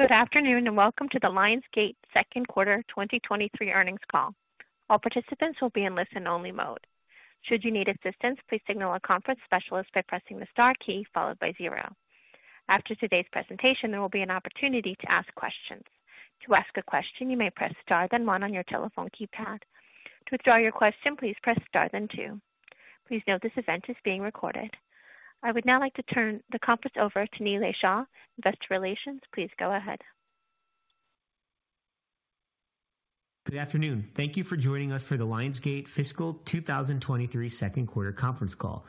Good afternoon, and welcome to the Lionsgate Second Quarter 2023 Earnings Call. All participants will be in listen-only mode. Should you need assistance, please signal a conference specialist by pressing the star key followed by zero. After today's presentation, there will be an opportunity to ask questions. To ask a question, you may press star then one on your telephone keypad. To withdraw your question, please press star then two. Please note this event is being recorded. I would now like to turn the conference over to Nilay Shah, Investor Relations. Please go ahead. Good afternoon. Thank you for joining us for the Lionsgate Fiscal 2023 Second Quarter Conference Call.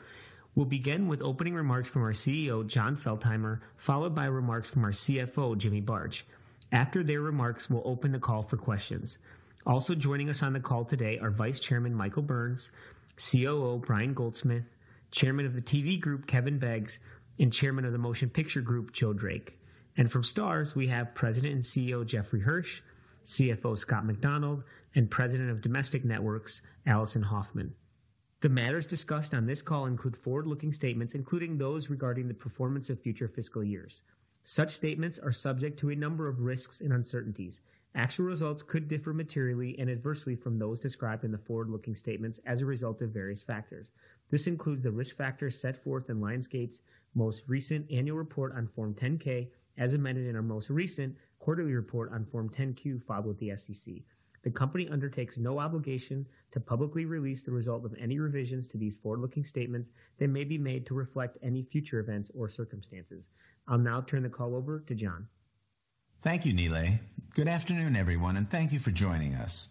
We'll begin with opening remarks from our CEO, Jon Feltheimer, followed by remarks from our CFO, Jimmy Barge. After their remarks, we'll open the call for questions. Also joining us on the call today are Vice Chairman Michael Burns, COO Brian Goldsmith, Chairman of the TV Group Kevin Beggs, and Chairman of the Motion Picture Group Joe Drake. From Starz, we have President and CEO Jeffrey Hirsch, CFO Scott MacDonald, and President of Domestic Networks Alison Hoffman. The matters discussed on this call include forward-looking statements, including those regarding the performance of future fiscal years. Such statements are subject to a number of risks and uncertainties. Actual results could differ materially and adversely from those described in the forward-looking statements as a result of various factors. This includes the risk factors set forth in Lionsgate's most recent annual report on Form 10-K, as amended in our most recent quarterly report on Form 10-Q filed with the SEC. The company undertakes no obligation to publicly release the result of any revisions to these forward-looking statements that may be made to reflect any future events or circumstances. I'll now turn the call over to Jon. Thank you, Nilay. Good afternoon, everyone, and thank you for joining us.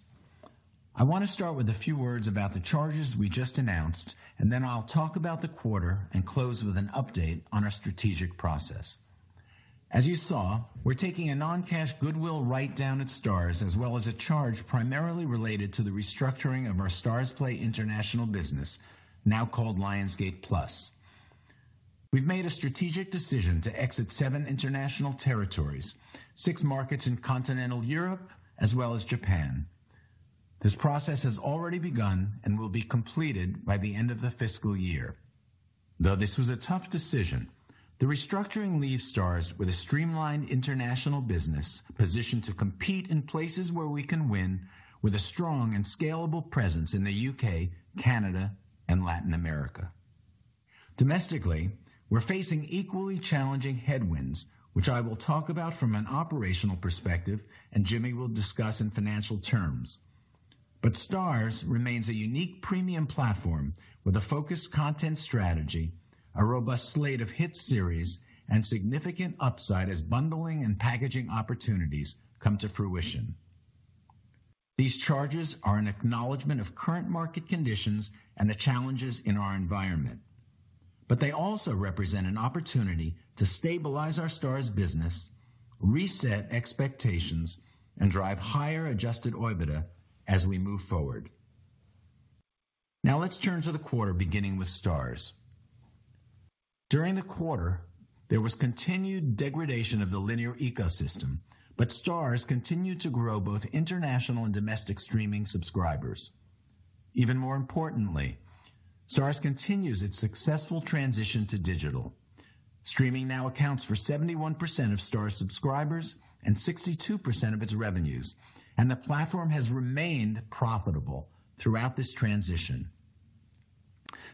I want to start with a few words about the charges we just announced, and then I'll talk about the quarter and close with an update on our strategic process. As you saw, we're taking a non-cash goodwill write-down at Starz, as well as a charge primarily related to the restructuring of our Starzplay international business, now called Lionsgate+. We've made a strategic decision to exit seven international territories, six markets in continental Europe, as well as Japan. This process has already begun and will be completed by the end of the fiscal year. Though this was a tough decision, the restructuring leaves Starz with a streamlined international business positioned to compete in places where we can win with a strong and scalable presence in the U.K., Canada, and Latin America. Domestically, we're facing equally challenging headwinds, which I will talk about from an operational perspective and Jimmy will discuss in financial terms. Starz remains a unique premium platform with a focused content strategy, a robust slate of hit series, and significant upside as bundling and packaging opportunities come to fruition. These charges are an acknowledgment of current market conditions and the challenges in our environment, but they also represent an opportunity to stabilize our Starz business, reset expectations, and drive higher adjusted OIBDA as we move forward. Now let's turn to the quarter beginning with Starz. During the quarter, there was continued degradation of the linear ecosystem, but Starz continued to grow both international and domestic streaming subscribers. Even more importantly, Starz continues its successful transition to digital. Streaming now accounts for 71% of Starz subscribers and 62% of its revenues, and the platform has remained profitable throughout this transition.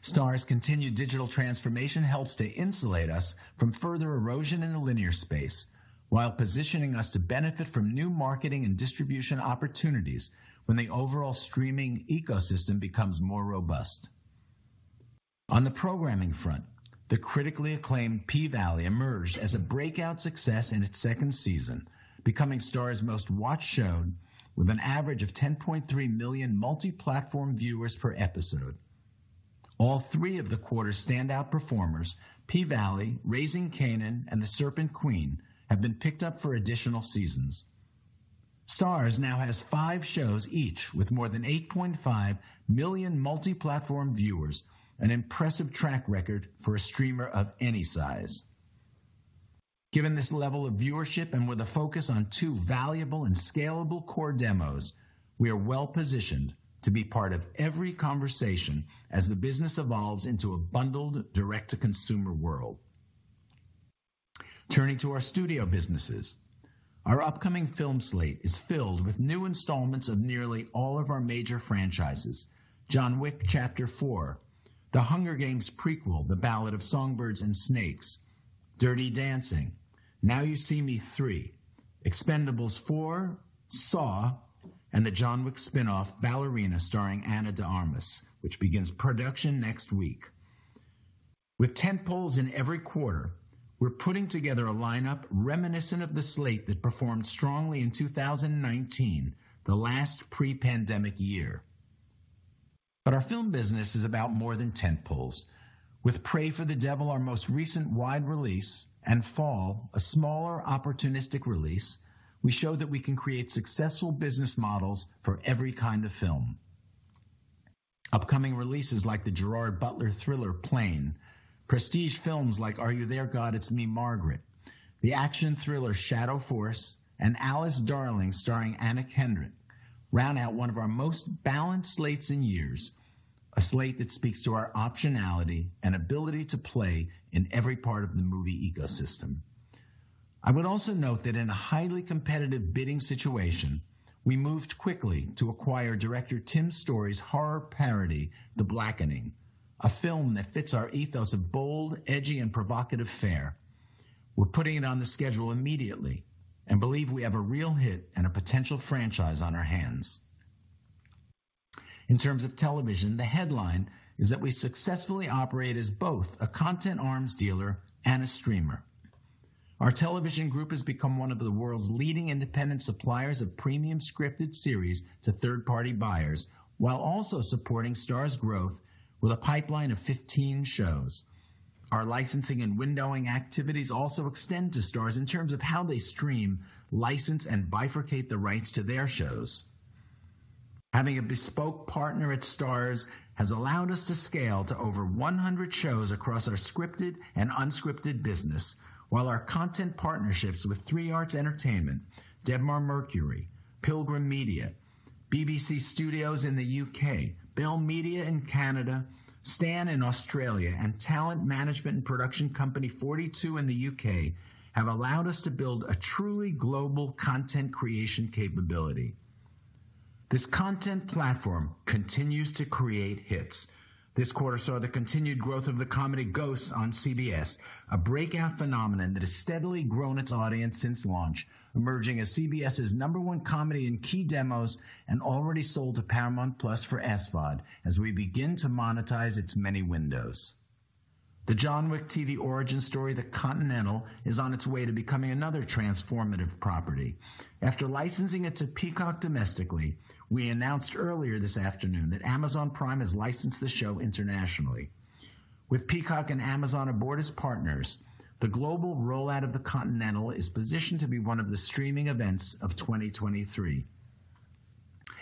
Starz's continued digital transformation helps to insulate us from further erosion in the linear space while positioning us to benefit from new marketing and distribution opportunities when the overall streaming ecosystem becomes more robust. On the programming front, the critically acclaimed P-Valley emerged as a breakout success in its second season, becoming Starz's most watched show with an average of 10.3 million multi-platform viewers per episode. All three of the quarter standout performers, P-Valley, Raising Kanan and The Serpent Queen, have been picked up for additional seasons. Starz now has five shows each with more than 8.5 million multi-platform viewers, an impressive track record for a streamer of any size. Given this level of viewership and with a focus on two valuable and scalable core demos, we are well-positioned to be part of every conversation as the business evolves into a bundled direct-to-consumer world. Turning to our studio businesses. Our upcoming film slate is filled with new installments of nearly all of our major franchises. John Wick: Chapter 4, The Hunger Games: The Ballad of Songbirds & Snakes, Dirty Dancing, Now You See Me 3, Expend4bles, Saw, and the John Wick spin-off Ballerina starring Ana de Armas, which begins production next week. With tentpoles in every quarter, we're putting together a lineup reminiscent of the slate that performed strongly in 2019, the last pre-pandemic year. Our film business is about more than tentpoles. With Prey for the Devil, our most recent wide release, and Fall, a smaller opportunistic release, we show that we can create successful business models for every kind of film. Upcoming releases like the Gerard Butler thriller Plane, prestige films like Are You There God? It's Me, Margaret, the action thriller Shadow Force, and Alice, Darling starring Anna Kendrick. Round out one of our most balanced slates in years, a slate that speaks to our optionality and ability to play in every part of the movie ecosystem. I would also note that in a highly competitive bidding situation, we moved quickly to acquire director Tim Story's horror parody, The Blackening, a film that fits our ethos of bold, edgy, and provocative fare. We're putting it on the schedule immediately and believe we have a real hit and a potential franchise on our hands. In terms of television, the headline is that we successfully operate as both a content arms dealer and a streamer. Our television group has become one of the world's leading independent suppliers of premium scripted series to third-party buyers, while also supporting Starz growth with a pipeline of 15 shows. Our licensing and windowing activities also extend to Starz in terms of how they stream, license, and bifurcate the rights to their shows. Having a bespoke partner at Starz has allowed us to scale to over 100 shows across our scripted and unscripted business, while our content partnerships with 3 Arts Entertainment, Debmar-Mercury, Pilgrim Media, BBC Studios in the UK, Bell Media in Canada, Stan in Australia, and talent management and production company 42 in the U.K. have allowed us to build a truly global content creation capability. This content platform continues to create hits. This quarter saw the continued growth of the comedy Ghosts on CBS, a breakout phenomenon that has steadily grown its audience since launch, emerging as CBS's number one comedy in key demos and already sold to Paramount+ for SVOD as we begin to monetize its many windows. The John Wick TV origin story, The Continental, is on its way to becoming another transformative property. After licensing it to Peacock domestically, we announced earlier this afternoon that Amazon Prime has licensed the show internationally. With Peacock and Amazon aboard as partners, the global rollout of The Continental is positioned to be one of the streaming events of 2023.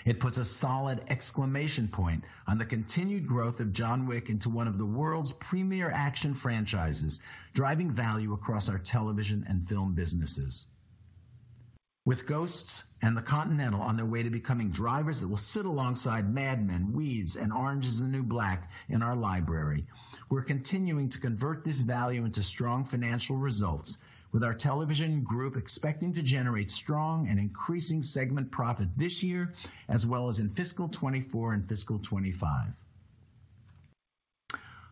It puts a solid exclamation point on the continued growth of John Wick into one of the world's premier action franchises, driving value across our television and film businesses. With Ghosts and The Continental on their way to becoming drivers that will sit alongside Mad Men, Weeds, and Orange Is the New Black in our library, we're continuing to convert this value into strong financial results with our television group expecting to generate strong and increasing segment profit this year as well as in fiscal 2024 and fiscal 2025.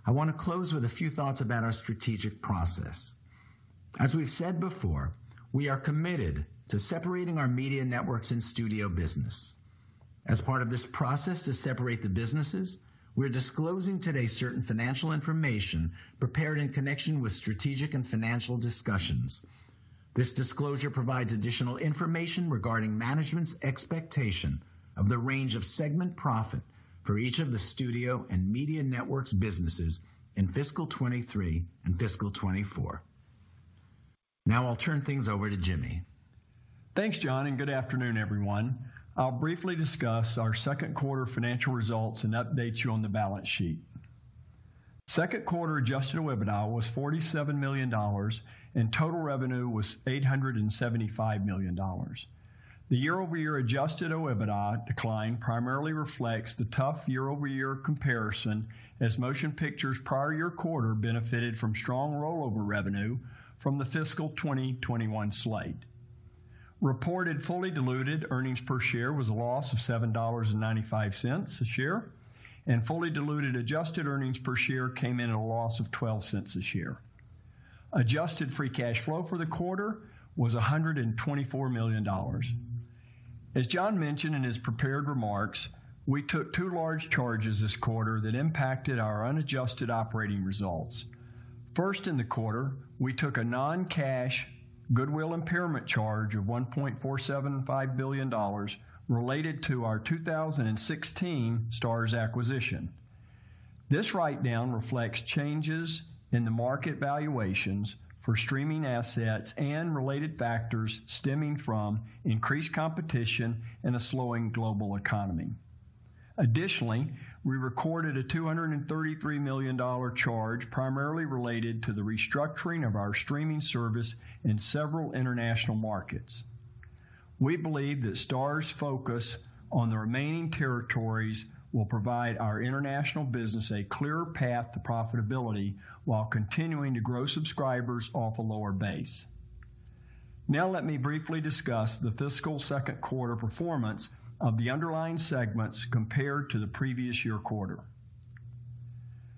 I want to close with a few thoughts about our strategic process. As we've said before, we are committed to separating our media networks and studio business. As part of this process to separate the businesses, we're disclosing today certain financial information prepared in connection with strategic and financial discussions. This disclosure provides additional information regarding management's expectation of the range of segment profit for each of the studio and media networks businesses in fiscal 2023 and fiscal 2024. Now I'll turn things over to Jimmy. Thanks, Jon, and good afternoon, everyone. I'll briefly discuss our second quarter financial results and update you on the balance sheet. Second quarter adjusted OIBDA was $47 million and total revenue was $875 million. The year-over-year adjusted OIBDA decline primarily reflects the tough year-over-year comparison as Motion Pictures prior year quarter benefited from strong rollover revenue from the fiscal 2021 slate. Reported fully diluted earnings per share was a loss of $7.95 a share, and fully diluted adjusted earnings per share came in at a loss of $0.12 a share. Adjusted free cash flow for the quarter was $124 million. As Jon mentioned in his prepared remarks, we took two large charges this quarter that impacted our unadjusted operating results. First in the quarter, we took a non-cash goodwill impairment charge of $1.475 billion related to our 2016 Starz acquisition. This write-down reflects changes in the market valuations for streaming assets and related factors stemming from increased competition and a slowing global economy. Additionally, we recorded a $233 million charge primarily related to the restructuring of our streaming service in several international markets. We believe that Starz's focus on the remaining territories will provide our international business a clear path to profitability while continuing to grow subscribers off a lower base. Now let me briefly discuss the fiscal second quarter performance of the underlying segments compared to the previous year quarter.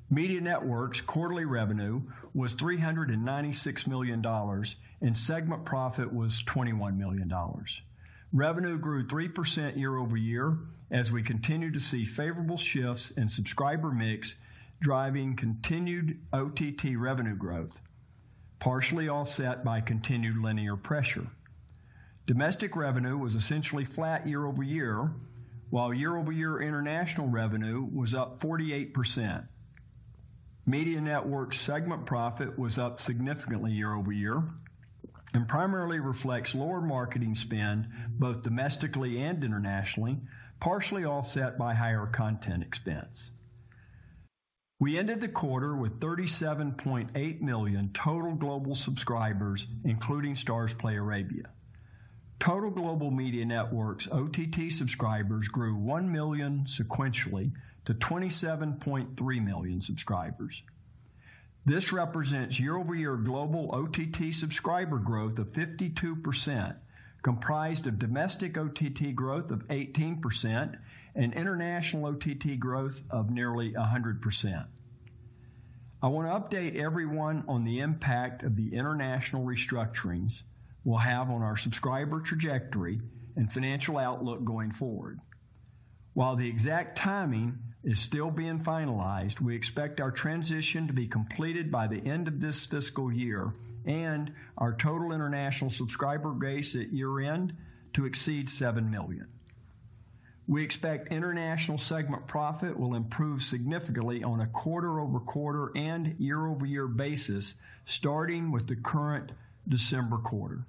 Media Networks' quarterly revenue was $396 million and segment profit was $21 million. Revenue grew 3% year-over-year as we continue to see favorable shifts in subscriber mix driving continued OTT revenue growth, partially offset by continued linear pressure. Domestic revenue was essentially flat year-over-year, while year-over-year international revenue was up 48%. Media Networks' segment profit was up significantly year-over-year and primarily reflects lower marketing spend both domestically and internationally, partially offset by higher content expense. We ended the quarter with 37.8 million total global subscribers, including Starzplay Arabia. Total global media networks OTT subscribers grew 1 million sequentially to 27.3 million subscribers. This represents year-over-year global OTT subscriber growth of 52%, comprised of domestic OTT growth of 18% and international OTT growth of nearly 100%. I wanna update everyone on the impact of the international restructurings we'll have on our subscriber trajectory and financial outlook going forward. While the exact timing is still being finalized, we expect our transition to be completed by the end of this fiscal year and our total international subscriber base at year-end to exceed 7 million. We expect international segment profit will improve significantly on a quarter-over-quarter and year-over-year basis, starting with the current December quarter.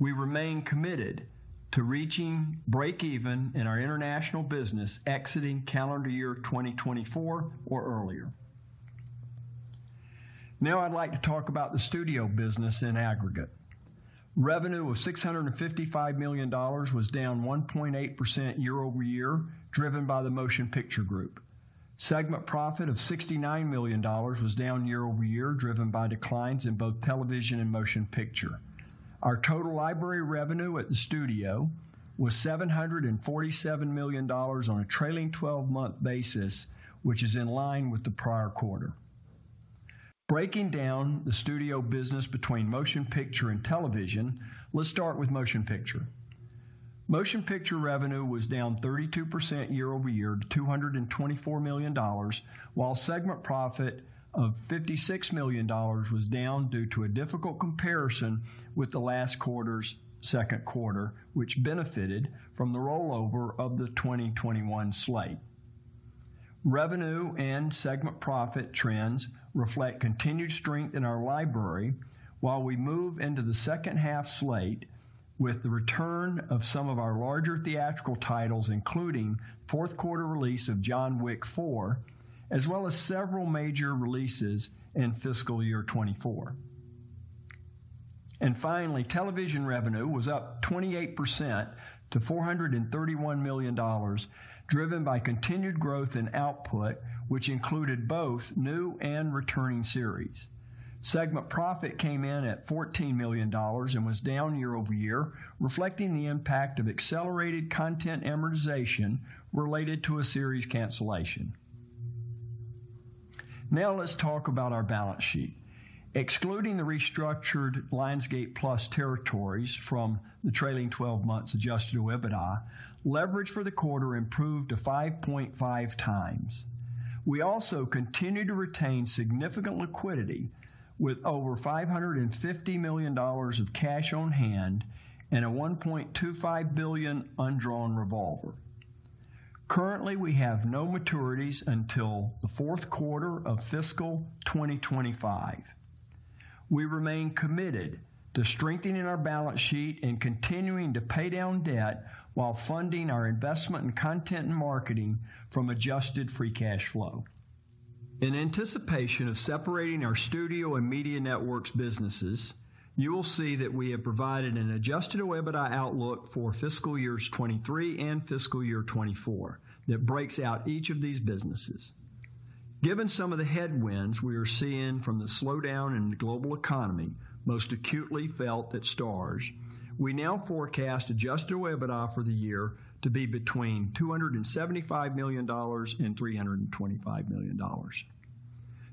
We remain committed to reaching breakeven in our international business exiting calendar year 2024 or earlier. Now I'd like to talk about the studio business in aggregate. Revenue of $655 million was down 1.8% year-over-year, driven by the Motion Picture Group. Segment profit of $69 million was down year-over-year, driven by declines in both Television and Motion Picture. Our total library revenue at the studio was $747 million on a trailing twelve-month basis, which is in line with the prior quarter. Breaking down the studio business between motion picture and television, let's start with motion picture. Motion picture revenue was down 32% year-over-year to $224 million, while segment profit of $56 million was down due to a difficult comparison with the last quarter's second quarter, which benefited from the rollover of the 2021 slate. Revenue and segment profit trends reflect continued strength in our library while we move into the second half slate with the return of some of our larger theatrical titles, including fourth quarter release of John Wick: Chapter 4, as well as several major releases in fiscal year 2024. Finally, television revenue was up 28% to $431 million, driven by continued growth in output, which included both new and returning series. Segment profit came in at $14 million and was down year-over-year, reflecting the impact of accelerated content amortization related to a series cancellation. Now let's talk about our balance sheet. Excluding the restructured Lionsgate+ territories from the trailing twelve months adjusted OIBDA, leverage for the quarter improved to 5.5 times. We also continue to retain significant liquidity with over $550 million of cash on hand and a $1.25 billion undrawn revolver. Currently, we have no maturities until the fourth quarter of fiscal 2025. We remain committed to strengthening our balance sheet and continuing to pay down debt while funding our investment in content and marketing from adjusted free cash flow. In anticipation of separating our studio and media networks businesses, you will see that we have provided an adjusted OIBDA outlook for fiscal years 2023 and fiscal year 2024 that breaks out each of these businesses. Given some of the headwinds we are seeing from the slowdown in the global economy, most acutely felt at Starz, we now forecast adjusted OIBDA for the year to be between $275 million and $325 million.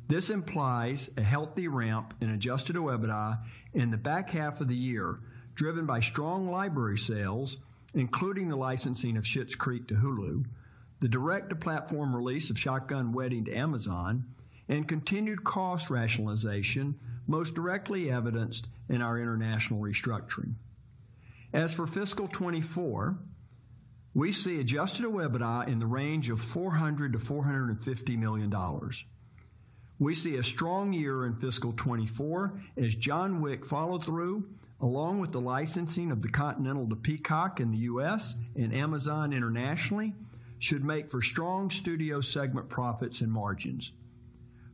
This implies a healthy ramp in adjusted OIBDA in the back half of the year, driven by strong library sales, including the licensing of Schitt's Creek to Hulu, the direct-to-platform release of Shotgun Wedding to Amazon, and continued cost rationalization, most directly evidenced in our international restructuring. As for fiscal 2024, we see adjusted OIBDA in the range of $400 million-$450 million. We see a strong year in fiscal 2024 as John Wick follow through, along with the licensing of The Continental to Peacock in the U.S. and Amazon internationally, should make for strong studio segment profits and margins.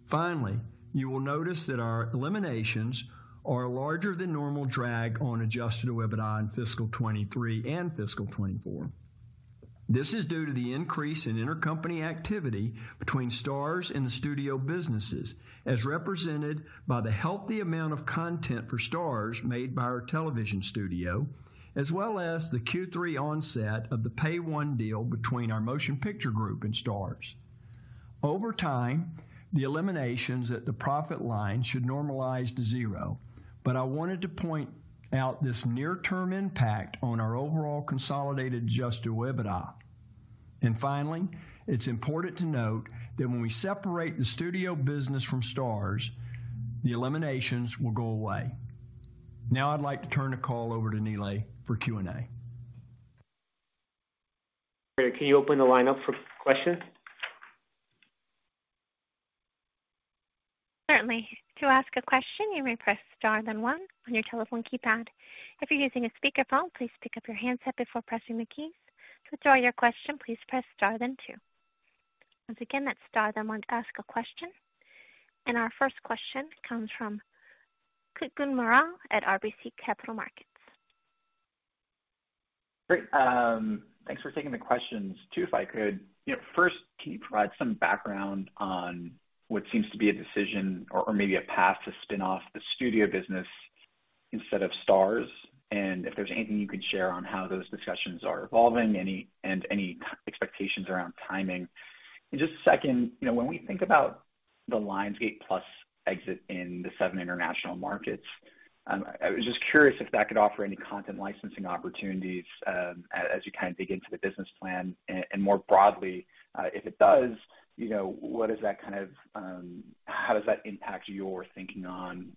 Finally, you will notice that our eliminations are a larger than normal drag on adjusted OIBDA in fiscal 2023 and fiscal 2024. This is due to the increase in intercompany activity between Starz and the studio businesses, as represented by the healthy amount of content for Starz made by our television studio, as well as the Q3 onset of the pay one deal between our Motion Picture Group and Starz. Over time, the eliminations at the profit line should normalize to zero, but I wanted to point out this near-term impact on our overall consolidated adjusted OIBDA. Finally, it's important to note that when we separate the studio business from Starz, the eliminations will go away. Now I'd like to turn the call over to Nilay for Q&A. Can you open the line up for questions? Certainly. To ask a question, you may press star then one on your telephone keypad. If you're using a speakerphone, please pick up your handset before pressing the keys. To withdraw your question, please press star then two. Once again, that's star then one to ask a question. Our first question comes from Kutgun Maral at RBC Capital Markets. Great. Thanks for taking the questions. Two, if I could. You know, first, can you provide some background on what seems to be a decision or maybe a path to spin off the studio business instead of Starz? And if there's anything you could share on how those discussions are evolving, any expectations around timing. And just second, you know, when we think about the Lionsgate+ exit in the seven international markets, I was just curious if that could offer any content licensing opportunities, as you kind of dig into the business plan. And more broadly, if it does, you know, what does that kind of, how does that impact your thinking on,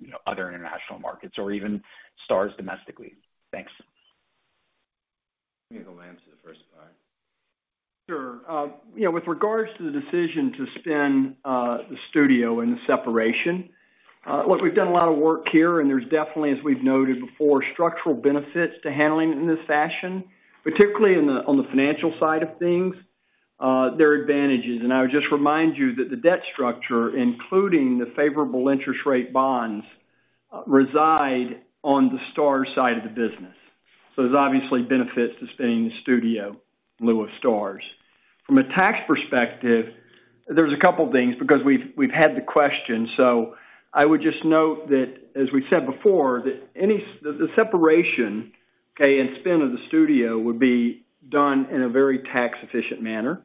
you know, other international markets or even Starz domestically? Thanks. Maybe I'll answer the first part. Sure. You know, with regards to the decision to spin the studio and the separation, look, we've done a lot of work here, and there's definitely, as we've noted before, structural benefits to handling it in this fashion. Particularly on the financial side of things, there are advantages. I would just remind you that the debt structure, including the favorable interest rate bonds, reside on the Starz side of the business. There's obviously benefits to spinning the studio in lieu of Starz. From a tax perspective, there's a couple things because we've had the question. I would just note that, as we've said before, that the separation, okay, and spin of the studio would be done in a very tax-efficient manner.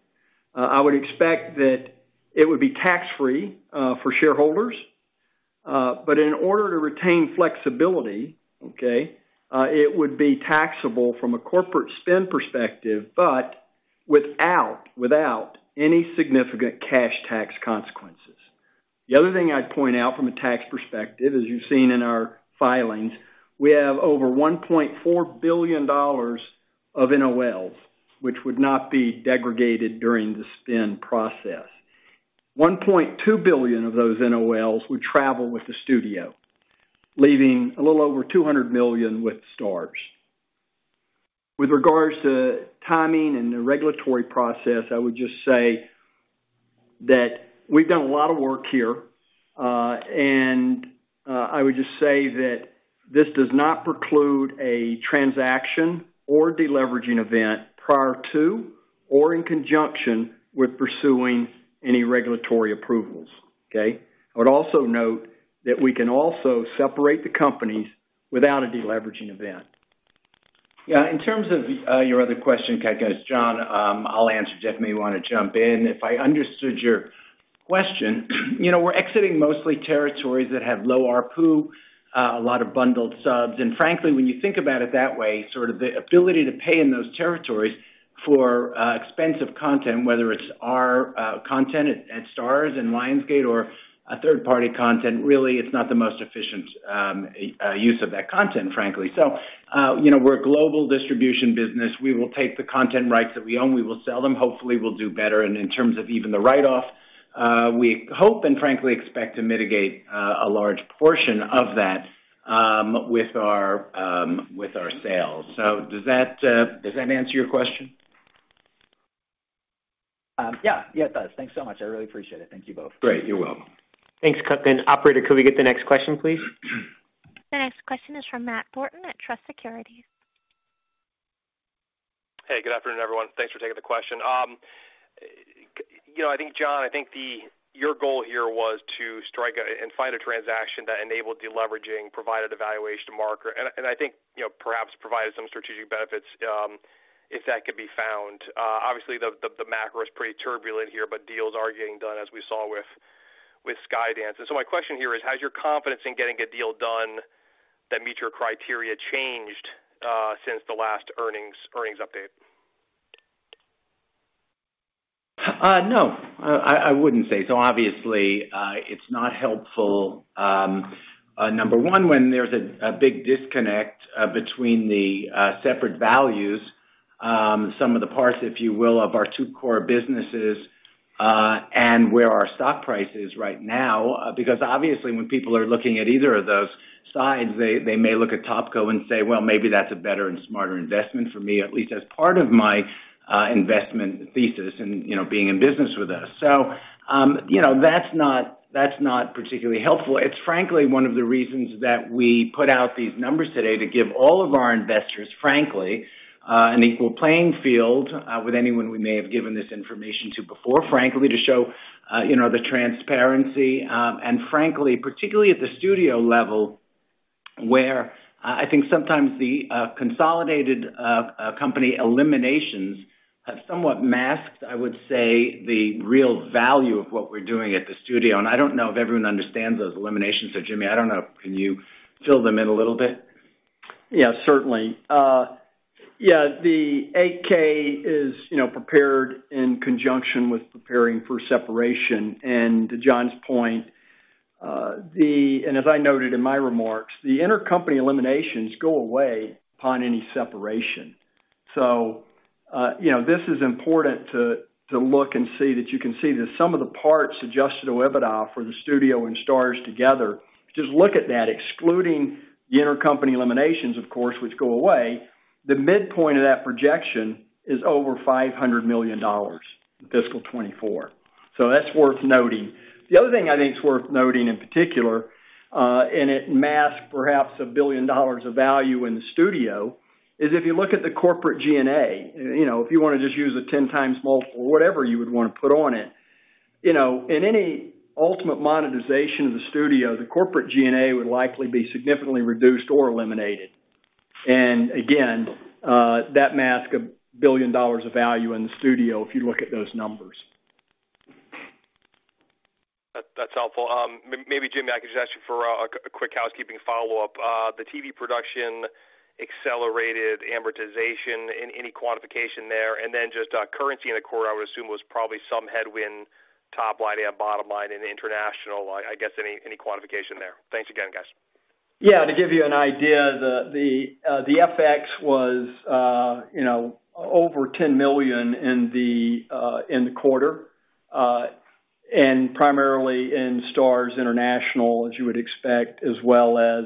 I would expect that it would be tax-free for shareholders. In order to retain flexibility, okay, it would be taxable from a corporate spin perspective, but without any significant cash tax consequences. The other thing I'd point out from a tax perspective, as you've seen in our filings, we have over $1.4 billion of NOLs, which would not be degregated during the spin process. $1.2 billion of those NOLs would travel with the studio, leaving a little over $200 million with Starz. With regards to timing and the regulatory process, I would just say that we've done a lot of work here. I would just say that this does not preclude a transaction or deleveraging event prior to or in conjunction with pursuing any regulatory approvals. Okay. I would also note that we can also separate the companies without a deleveraging event. Yeah. In terms of your other question, Kutgun. Jon, I'll answer. Jeffrey may wanna jump in. If I understood your question, you know, we're exiting mostly territories that have low ARPU, a lot of bundled subs. Frankly, when you think about it that way, sort of the ability to pay in those territories for expensive content, whether it's our content at Starz and Lionsgate or a third-party content, really, it's not the most efficient use of that content, frankly. You know, we're a global distribution business. We will take the content rights that we own. We will sell them. Hopefully, we'll do better. In terms of even the write-off, we hope and frankly expect to mitigate a large portion of that with our sales. Does that answer your question? Yeah. Yeah, it does. Thanks so much. I really appreciate it. Thank you both. Great. You're welcome. Thanks, Kutgun. Operator, could we get the next question, please? The next question is from Matthew Thornton at Truist Securities. Hey, good afternoon, everyone. Thanks for taking the question. You know, I think, Jon Feltheimer, I think your goal here was to strike and find a transaction that enabled deleveraging, provided a valuation marker, and I think, you know, perhaps provided some strategic benefits, if that could be found. Obviously, the macro is pretty turbulent here, but deals are getting done as we saw with Skydance. My question here is, has your confidence in getting a deal done that meets your criteria changed, since the last earnings update? No. I wouldn't say so. Obviously, it's not helpful, number one, when there's a big disconnect between the separate values, some of the parts, if you will, of our two core businesses, and where our stock price is right now. Because obviously, when people are looking at either of those sides, they may look at Topco and say, "Well, maybe that's a better and smarter investment for me, at least as part of my investment thesis and, you know, being in business with us." You know, that's not particularly helpful. It's frankly one of the reasons that we put out these numbers today to give all of our investors, frankly, an equal playing field, with anyone we may have given this information to before, frankly, to show, you know, the transparency, and frankly, particularly at the studio level, where, I think sometimes the consolidated company eliminations have somewhat masked, I would say, the real value of what we're doing at the studio. I don't know if everyone understands those eliminations. Jimmy, I don't know, can you fill them in a little bit? Yeah, certainly. The 8-K is, you know, prepared in conjunction with preparing for separation. To Jon Feltheimer's point, and as I noted in my remarks, the intercompany eliminations go away upon any separation. You know, this is important to look and see that you can see that some of the parts adjusted to EBITDA for the Studio and Starz together, just look at that, excluding the intercompany eliminations, of course, which go away, the midpoint of that projection is over $500 million in fiscal 2024. That's worth noting. The other thing I think is worth noting in particular, and it masks perhaps $1 billion of value in the Studio, is if you look at the corporate G&A, you know, if you wanna just use a 10x multiple or whatever you would wanna put on it, you know, in any ultimate monetization of the Studio, the corporate G&A would likely be significantly reduced or eliminated. Again, that masks $1 billion of value in the Studio if you look at those numbers. That's helpful. Maybe, Jimmy, I could just ask you for a quick housekeeping follow-up. The TV production accelerated amortization, any quantification there? Then just, currency in the quarter, I would assume, was probably some headwind top line and bottom line in international. I guess, any quantification there. Thanks again, guys. Yeah. To give you an idea, the FX was, you know, over $10 million in the quarter, and primarily in Starz International, as you would expect, as well as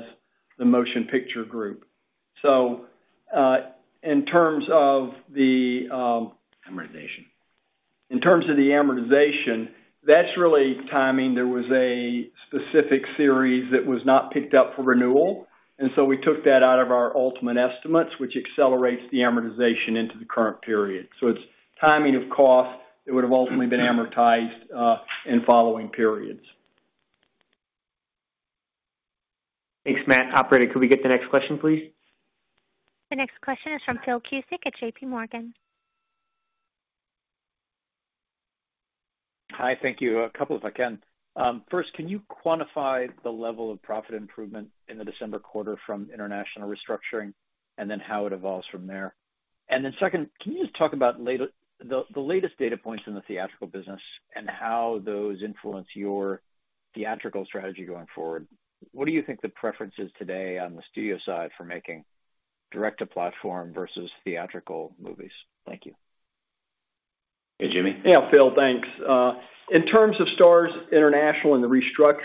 the Motion Picture Group. In terms of the, Amortization. In terms of the amortization, that's really timing. There was a specific series that was not picked up for renewal, and so we took that out of our ultimate estimates, which accelerates the amortization into the current period. It's timing of cost that would have ultimately been amortized in following periods. Thanks, Matt. Operator, could we get the next question, please? The next question is from Phil Cusick at JPMorgan. Hi. Thank you. A couple, if I can. First, can you quantify the level of profit improvement in the December quarter from international restructuring and then how it evolves from there? Second, can you just talk about the latest data points in the theatrical business and how those influence your theatrical strategy going forward? What do you think the preference is today on the Studio side for making direct-to-platform versus theatrical movies? Thank you. Hey, Jimmy. Yeah, Phil, thanks. In terms of Starz International and the restructure.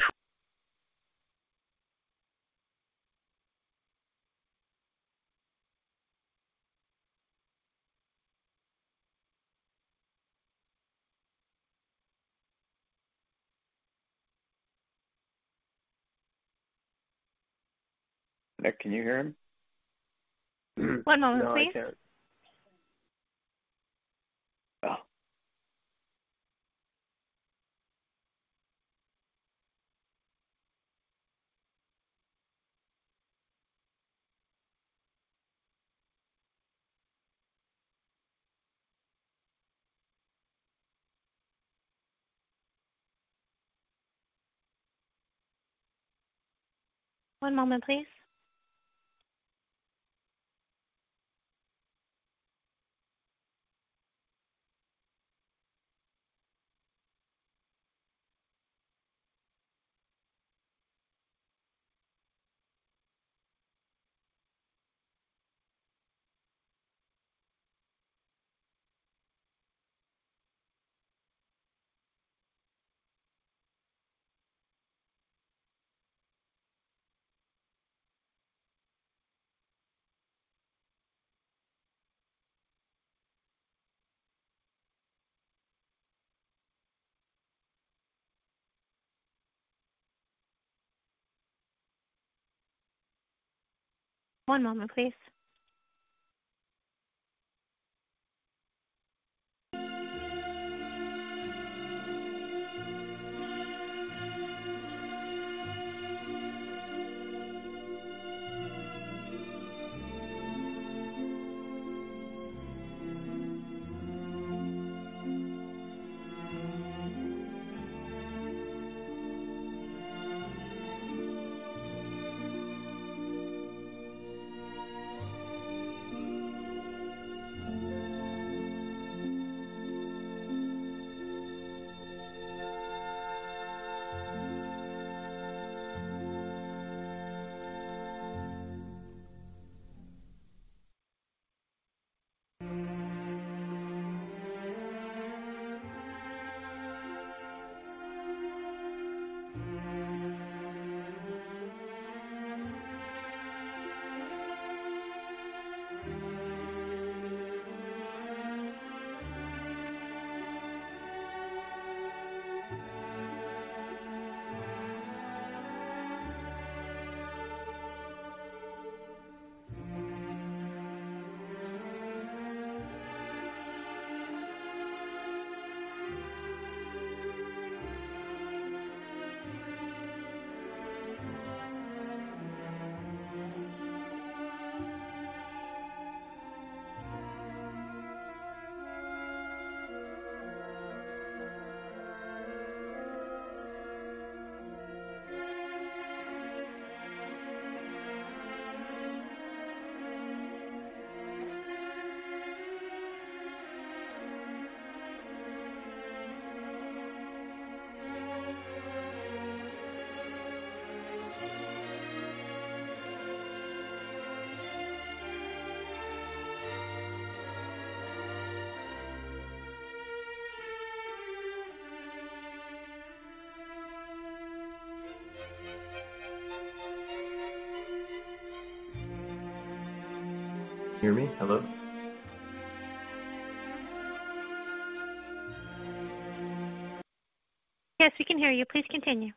Cusick, can you hear him? One moment, please. No, I can't. Oh. One moment, please. Hear me? Hello? Yes, we can hear you. Please continue.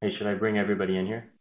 Hey, should I bring everybody in here?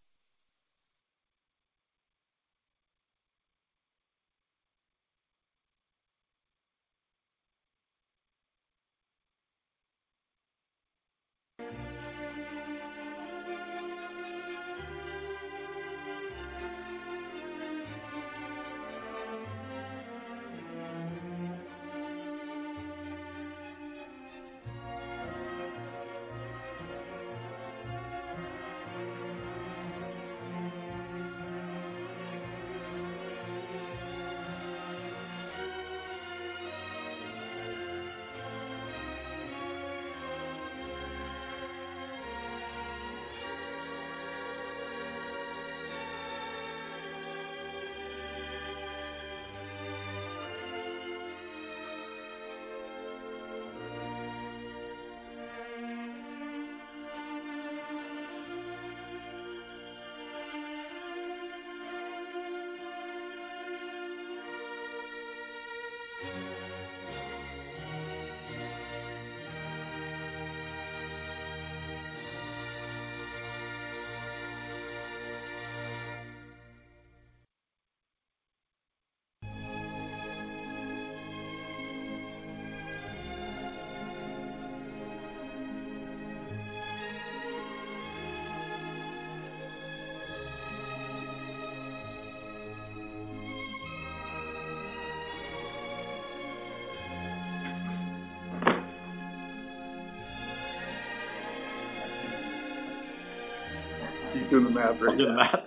He's doing the math right now.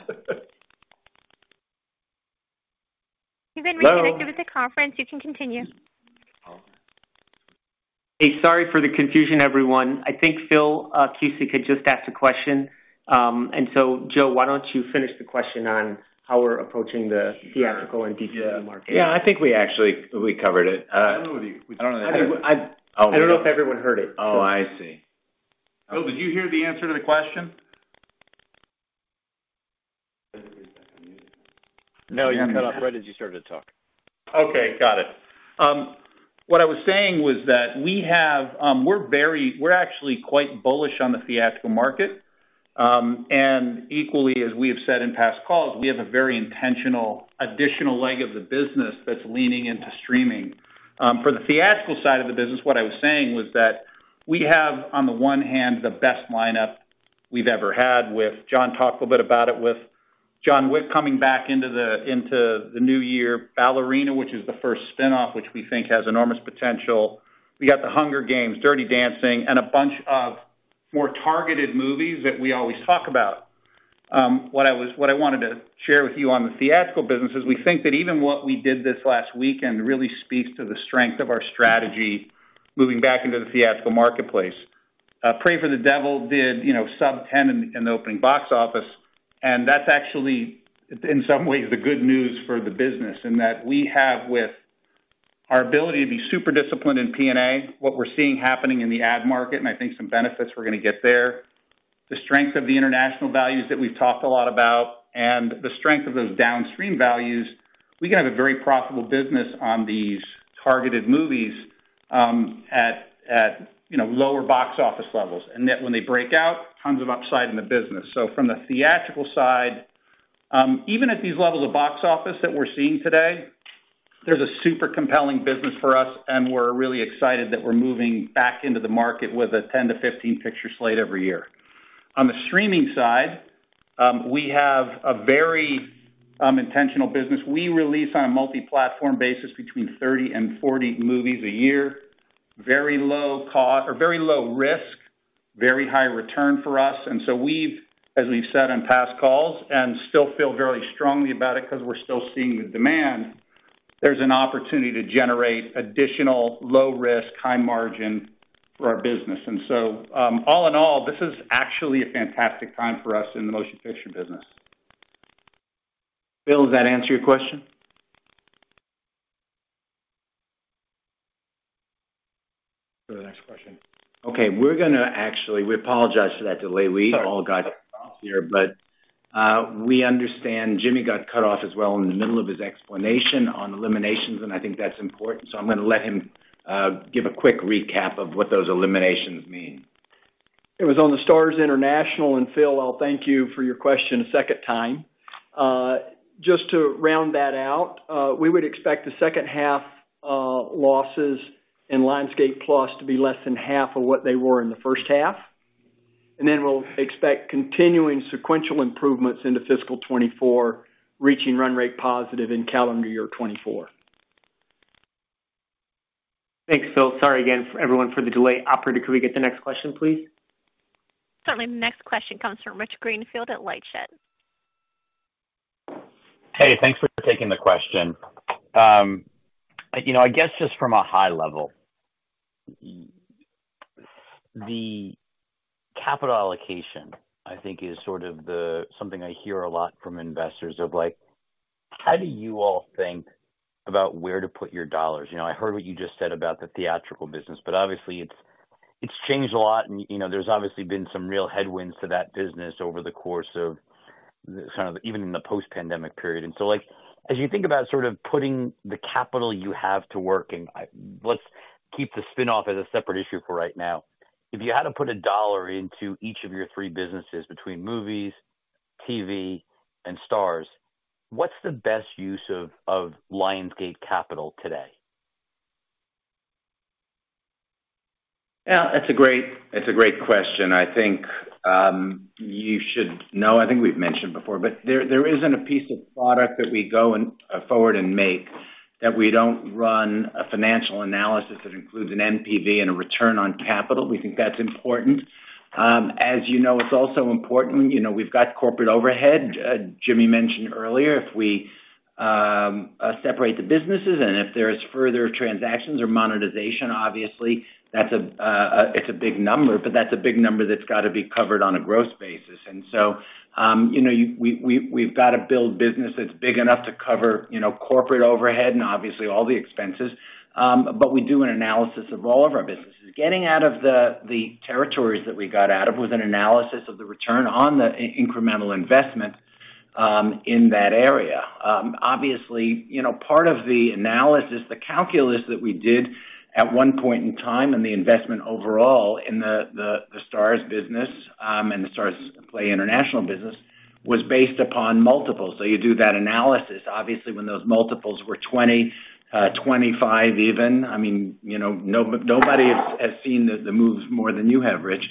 You've been reconnected with the conference. You can continue. Hey, sorry for the confusion, everyone. I think Phil Cusick just asked a question. Joe, why don't you finish the question on how we're approaching the theatrical and VOD market? Yeah, I think we actually covered it. I don't know if everyone heard it. Oh, I see. Phil, did you hear the answer to the question? No, you cut off right as you started to talk. Okay, got it. What I was saying was that we have, we're actually quite bullish on the theatrical market. Equally, as we have said in past calls, we have a very intentional additional leg of the business that's leaning into streaming. For the theatrical side of the business, what I was saying was that we have, on the one hand, the best lineup we've ever had with Jon talked a little bit about it, with John Wick coming back into the new year. Ballerina, which is the first spinoff, which we think has enormous potential. We got The Hunger Games, Dirty Dancing, and a bunch of more targeted movies that we always talk about. What I wanted to share with you on the theatrical business is we think that even what we did this last weekend really speaks to the strength of our strategy moving back into the theatrical marketplace. Prey for the Devil did, you know, sub-$10 million in the opening box office, and that's actually, in some ways, the good news for the business and that we have with our ability to be super disciplined in P&A, what we're seeing happening in the ad market, and I think some benefits we're gonna get there. The strength of the international values that we've talked a lot about and the strength of those downstream values, we can have a very profitable business on these targeted movies, at, you know, lower box office levels. Then when they break out, tons of upside in the business. From the theatrical side, even at these levels of box office that we're seeing today, there's a super compelling business for us, and we're really excited that we're moving back into the market with a 10-15 picture slate every year. On the streaming side, we have a very intentional business. We release on a multi-platform basis between 30 and 40 movies a year. Very low cost or very low risk, very high return for us. We've, as we've said on past calls, and still feel very strongly about it 'cause we're still seeing the demand, there's an opportunity to generate additional low risk, high margin for our business. All in all, this is actually a fantastic time for us in the motion picture business. Bill, does that answer your question? Go to the next question. We apologize for that delay. We all got off here, but we understand Jimmy got cut off as well in the middle of his explanation on eliminations, and I think that's important. I'm gonna let him give a quick recap of what those eliminations mean. It was on the Starz International. Phil, I'll thank you for your question a second time. Just to round that out, we would expect the second half losses in Lionsgate+ to be less than half of what they were in the first half. Then we'll expect continuing sequential improvements into fiscal 2024, reaching run rate positive in calendar year 2024. Thanks, Phil. Sorry again everyone for the delay. Operator, could we get the next question, please? Certainly. The next question comes from Rich Greenfield at LightShed. Hey, thanks for taking the question. You know, I guess just from a high level, the capital allocation, I think, is sort of something I hear a lot from investors, like, how do you all think about where to put your dollars? You know, I heard what you just said about the theatrical business, but obviously it's changed a lot and, you know, there's obviously been some real headwinds to that business over the course of kind of even in the post-pandemic period. Like, as you think about sort of putting the capital you have to work, let's keep the spin-off as a separate issue for right now. If you had to put a dollar into each of your three businesses between movies, TV, and Starz, what's the best use of Lionsgate capital today? Yeah. That's a great question. I think you should know, I think we've mentioned before, but there isn't a piece of product that we go forward and make that we don't run a financial analysis that includes an NPV and a return on capital. We think that's important. As you know, it's also important, you know, we've got corporate overhead. Jimmy mentioned earlier, if we separate the businesses and if there's further transactions or monetization, obviously that's a big number, but that's a big number that's gotta be covered on a gross basis. You know, we've gotta build business that's big enough to cover, you know, corporate overhead and obviously all the expenses. But we do an analysis of all of our businesses. Getting out of the territories that we got out of with an analysis of the return on the incremental investment in that area. Obviously, you know, part of the analysis, the calculus that we did at one point in time and the investment overall in the Starz business and the Starzplay international business was based upon multiples. You do that analysis. Obviously, when those multiples were 20, 25 even, I mean, you know, nobody has seen the moves more than you have, Rich.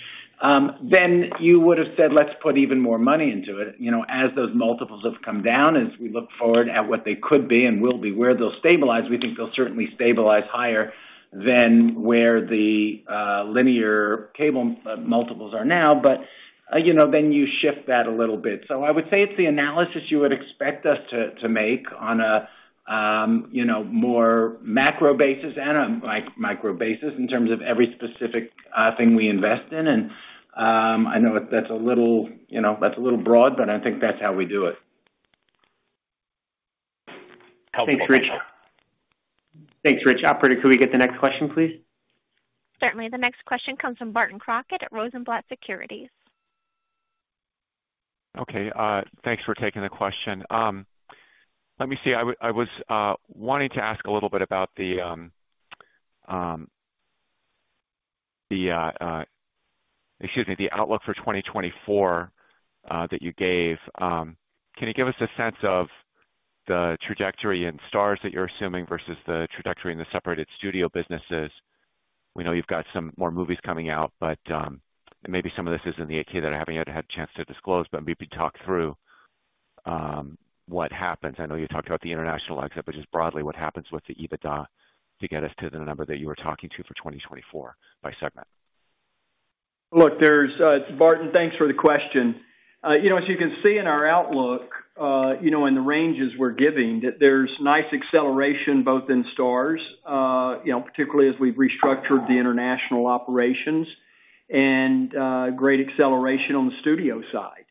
You would have said, "Let's put even more money into it." You know, as those multiples have come down, as we look forward at what they could be and will be, where they'll stabilize, we think they'll certainly stabilize higher than where the linear cable multiples are now, but, you know, then you shift that a little bit. I would say it's the analysis you would expect us to make on a, you know, more macro basis and a micro basis in terms of every specific thing we invest in. I know that that's a little, you know, that's a little broad, but I think that's how we do it. Helpful. Thanks, Rich. Operator, could we get the next question, please? Certainly. The next question comes from Barton Crockett at Rosenblatt Securities. Okay. Thanks for taking the question. Let me see. I was wanting to ask a little bit about the outlook for 2024 that you gave. Can you give us a sense of the trajectory in Starz that you're assuming versus the trajectory in the separated studio businesses? We know you've got some more movies coming out, but maybe some of this is in the 8-K that I haven't yet had a chance to digest, but maybe talk through what happens. I know you talked about the international exit, but just broadly what happens with the EBITDA to get us to the number that you were talking about for 2024 by segment. Look, Barton, thanks for the question. You know, as you can see in our outlook, you know, in the ranges we're giving, that there's nice acceleration both in Starz, you know, particularly as we've restructured the international operations and, great acceleration on the studio side.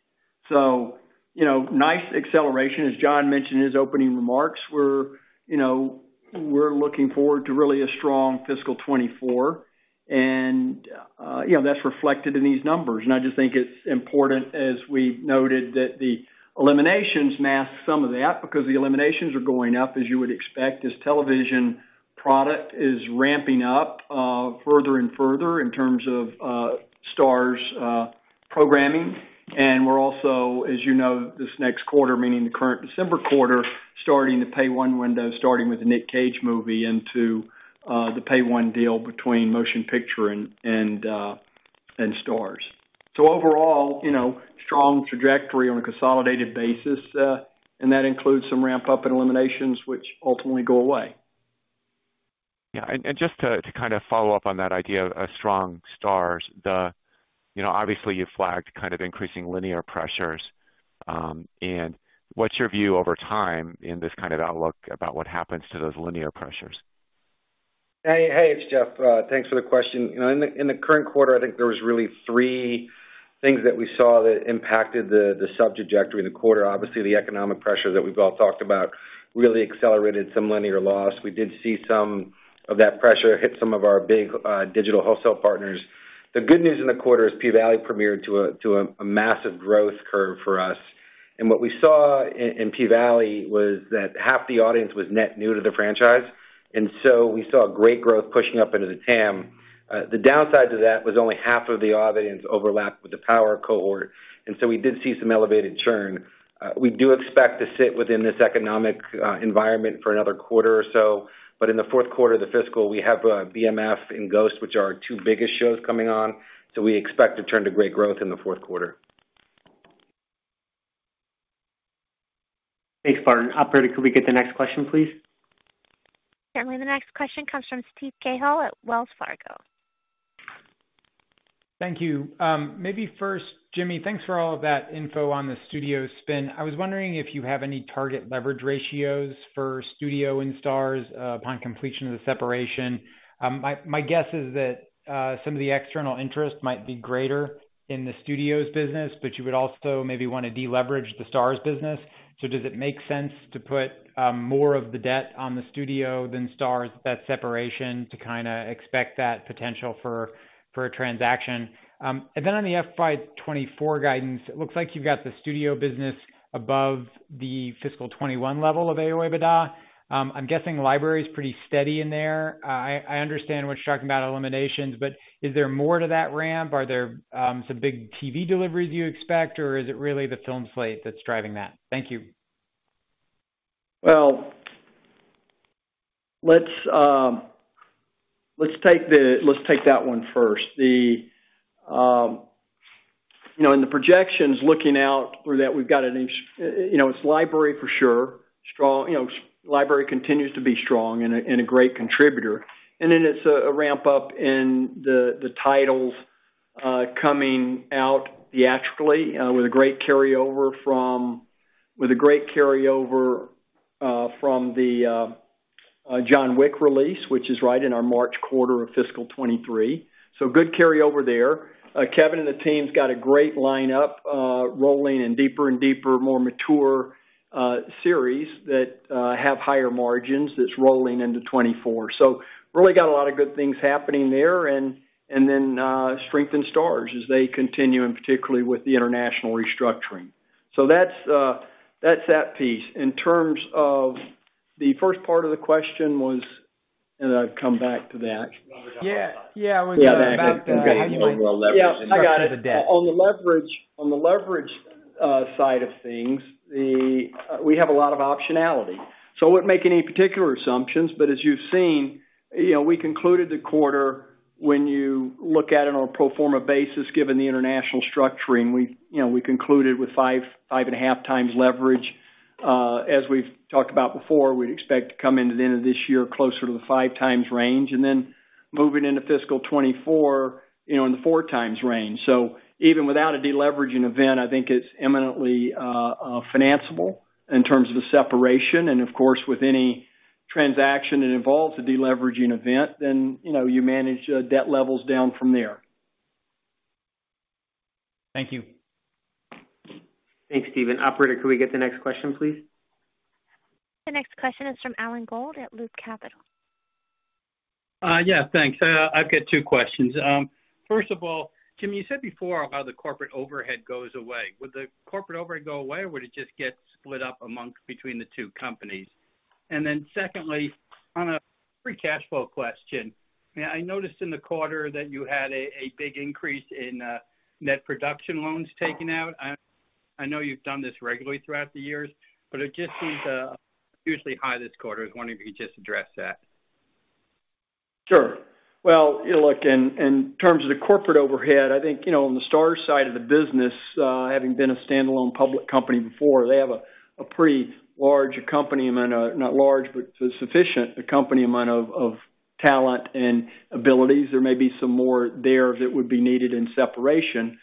You know, nice acceleration. As John mentioned in his opening remarks, you know, we're looking forward to really a strong fiscal 2024. You know, that's reflected in these numbers. I just think it's important as we noted that the eliminations mask some of that because the eliminations are going up, as you would expect, as television product is ramping up, further and further in terms of, Starz, programming. We're also, as you know, this next quarter, meaning the current December quarter, starting the pay one window, starting with the Nicolas Cage movie into the pay one deal between Motion Picture and Starz. Overall, you know, strong trajectory on a consolidated basis, and that includes some ramp-up in eliminations which ultimately go away. Yeah. And just to kind of follow up on that idea of a strong Starz, the, you know, obviously you flagged kind of increasing linear pressures. What's your view over time in this kind of outlook about what happens to those linear pressures? Hey, hey, it's Jeff. Thanks for the question. In the current quarter, I think there was really three things that we saw that impacted the sub trajectory in the quarter. Obviously, the economic pressure that we've all talked about really accelerated some linear loss. We did see some of that pressure hit some of our big digital wholesale partners. The good news in the quarter is P-Valley premiered to a massive growth curve for us. What we saw in P-Valley was that half the audience was net new to the franchise, and so we saw great growth pushing up into the TAM. The downside to that was only half of the audience overlapped with the Power cohort, and so we did see some elevated churn. We do expect to sit within this economic environment for another quarter or so, but in the fourth quarter of the fiscal, we have BMF and Ghost, which are our two biggest shows coming on. We expect to turn to great growth in the fourth quarter. Thanks, Barton. Operator, could we get the next question, please? Certainly. The next question comes from Steven Cahall at Wells Fargo. Thank you. Maybe first, Jimmy, thanks for all of that info on the Studio spin. I was wondering if you have any target leverage ratios for Studio and Starz upon completion of the separation. My guess is that some of the external interest might be greater in the Studio's business, but you would also maybe wanna deleverage the Starz business. Does it make sense to put more of the debt on the Studio than Starz at separation to kinda expect that potential for a transaction? Then on the FY 2024 guidance, it looks like you've got the Studio business above the fiscal 2021 level of adjusted OIBDA. I'm guessing library is pretty steady in there. I understand what you're talking about eliminations, but is there more to that ramp? Are there some big TV deliveries you expect, or is it really the film slate that's driving that? Thank you. Well, let's take that one first. You know, in the projections looking forward that we've got. You know, it's library for sure. Strong. You know, library continues to be strong and a great contributor. It's a ramp-up in the titles coming out theatrically with a great carryover from the John Wick release, which is right in our March quarter of fiscal 2023. Good carryover there. Kevin and the team's got a great lineup rolling in deeper and deeper, more mature series that have higher margins that's rolling into 2024. Really got a lot of good things happening there and then strength in Starz as they continue, and particularly with the international restructuring. That's that piece. In terms of the first part of the question was. I'll come back to that. Yeah. Yeah. I wanna go back to that. Yeah. Back to overall leverage and the debt. Yeah. I got it. On the leverage side of things, we have a lot of optionality. I wouldn't make any particular assumptions, but as you've seen, you know, we concluded the quarter when you look at it on a pro forma basis, given the international structuring. We've, you know, we concluded with 5.5x leverage. As we've talked about before, we'd expect to come into the end of this year closer to the 5x range. Moving into fiscal 2024, you know, in the 4x range. Even without a deleveraging event, I think it's imminently financeable in terms of the separation. Of course, with any transaction that involves a deleveraging event, then, you know, you manage debt levels down from there. Thank you. Thanks, Steven. Operator, could we get the next question, please? The next question is from Alan Gould at Loop Capital. Yeah, thanks. I've got two questions. First of all, Jimmy, you said before how the corporate overhead goes away. Would the corporate overhead go away or would it just get split up between the two companies? Then secondly, on a free cash flow question, I noticed in the quarter that you had a big increase in net production loans taken out. I know you've done this regularly throughout the years, but it just seems unusually high this quarter. I was wondering if you could just address that. Sure. Well, look, in terms of the corporate overhead, I think, you know, on the Starz side of the business, having been a standalone public company before, they have a pretty large complement, not large, but sufficient complement of talent and abilities. There may be some more there that would be needed in separation.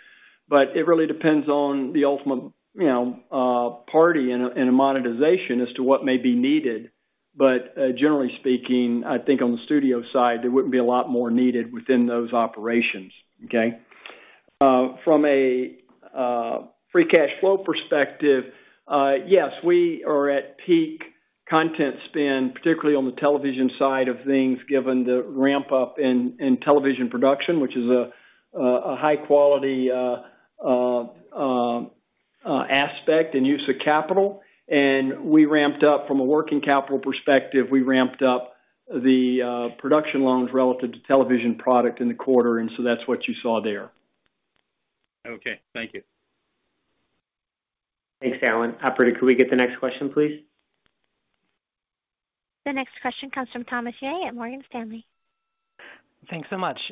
It really depends on the ultimate, you know, party in a monetization as to what may be needed. Generally speaking, I think on the Studio side, there wouldn't be a lot more needed within those operations. Okay. From a free cash flow perspective, yes, we are at peak content spend, particularly on the television side of things, given the ramp-up in television production, which is a high-quality aspect and use of capital. We ramped up from a working capital perspective, we ramped up the production loans relative to television product in the quarter, and so that's what you saw there. Okay. Thank you. Thanks, Alan. Operator, could we get the next question, please? The next question comes from Thomas Yeh at Morgan Stanley. Thanks so much.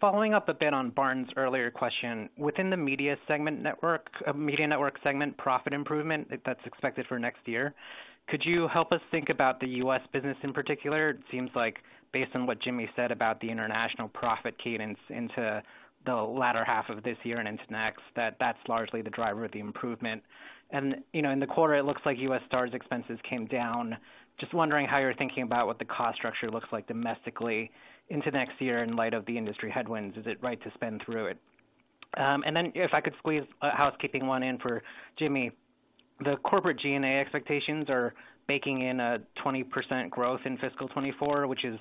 Following up a bit on Barton's earlier question, within the media segment network, media network segment profit improvement that's expected for next year, could you help us think about the U.S. business in particular? It seems like based on what Jimmy said about the international profit cadence into the latter half of this year and into next, that that's largely the driver of the improvement. You know, in the quarter, it looks like U.S. Starz expenses came down. Just wondering how you're thinking about what the cost structure looks like domestically into next year in light of the industry headwinds. Is it right to spend through it? Then if I could squeeze a housekeeping one in for Jimmy. The corporate G&A expectations are baking in a 20% growth in fiscal 2024, which is,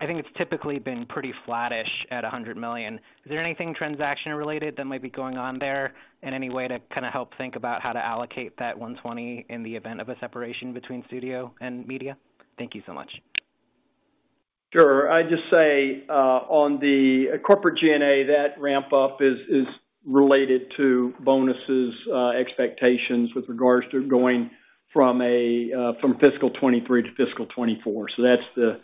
I think it's typically been pretty flattish at $100 million. Is there anything transaction-related that might be going on there in any way to kinda help think about how to allocate that $120 million in the event of a separation between Studio and Media? Thank you so much. Sure. I'd just say, on the corporate G&A, that ramp-up is related to bonuses, expectations with regards to going from fiscal 2023 to fiscal 2024. That's the.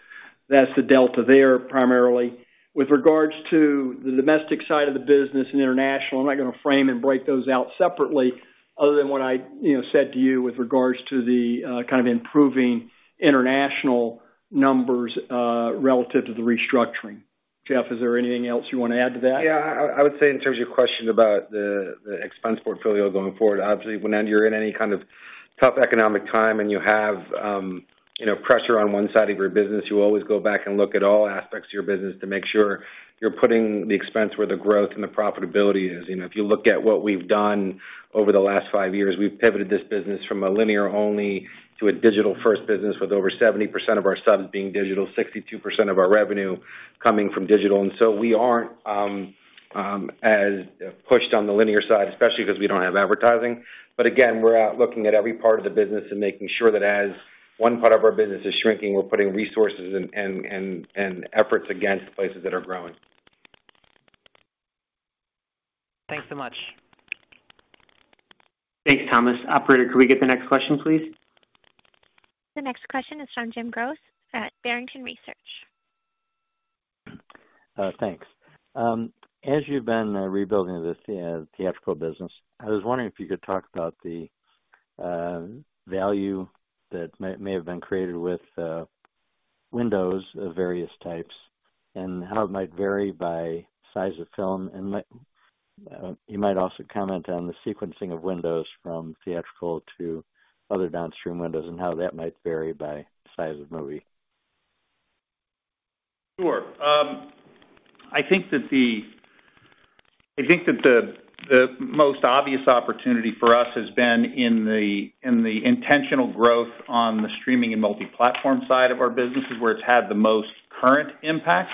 That's the delta there primarily. With regards to the domestic side of the business and international, I'm not gonna frame and break those out separately other than what I, you know, said to you with regards to the kind of improving international numbers relative to the restructuring. Jeff, is there anything else you wanna add to that? Yeah. I would say in terms of your question about the expense portfolio going forward. Obviously, when you're in any kind of tough economic time and you have, you know, pressure on one side of your business, you always go back and look at all aspects of your business to make sure you're putting the expense where the growth and the profitability is. You know, if you look at what we've done over the last five years, we've pivoted this business from a linear only to a digital first business with over 70% of our subs being digital, 62% of our revenue coming from digital. We aren't as pushed on the linear side, especially because we don't have advertising. Again, we're out looking at every part of the business and making sure that as one part of our business is shrinking, we're putting resources and efforts against places that are growing. Thanks so much. Thanks, Thomas. Operator, could we get the next question, please? The next question is from James Goss at Barrington Research. Thanks. As you've been rebuilding this theatrical business, I was wondering if you could talk about the value that may have been created with windows of various types and how it might vary by size of film. You might also comment on the sequencing of windows from theatrical to other downstream windows and how that might vary by size of movie. Sure. I think that the most obvious opportunity for us has been in the intentional growth on the streaming and multi-platform side of our business, is where it's had the most current impact.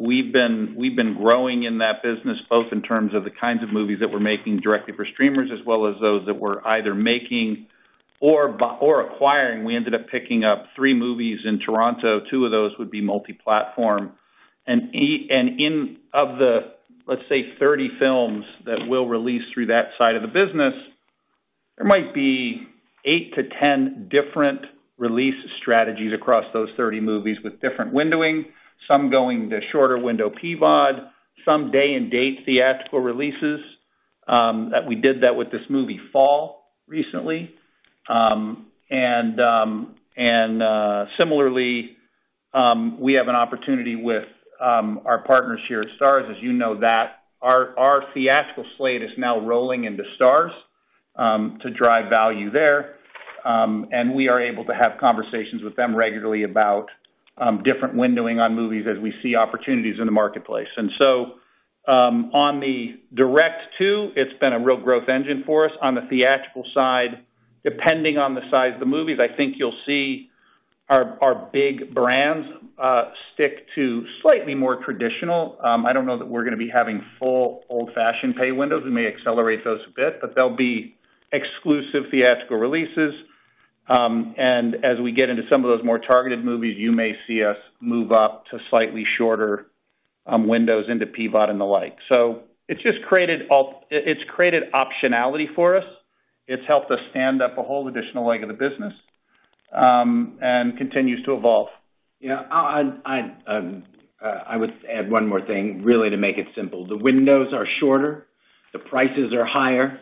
We've been growing in that business, both in terms of the kinds of movies that we're making directly for streamers as well as those that we're either making or acquiring. We ended up picking up three movies in Toronto. Two of those would be multi-platform. Of the, let's say, 30 films that we'll release through that side of the business, there might be eight-10 different release strategies across those 30 movies with different windowing, some going to shorter window PVOD, some day and date theatrical releases, that we did that with this movie, Fall, recently. Similarly, we have an opportunity with our partners here at Starz, as you know, that our theatrical slate is now rolling into Starz to drive value there. We are able to have conversations with them regularly about different windowing on movies as we see opportunities in the marketplace. On the direct-to, it's been a real growth engine for us. On the theatrical side, depending on the size of the movies, I think you'll see our big brands stick to slightly more traditional. I don't know that we're gonna be having full old-fashioned pay windows. We may accelerate those a bit, but they'll be exclusive theatrical releases. As we get into some of those more targeted movies, you may see us move up to slightly shorter windows into PVOD and the like. It's just created optionality for us. It's helped us stand up a whole additional leg of the business and continues to evolve. You know, I would add one more thing really to make it simple. The windows are shorter, the prices are higher,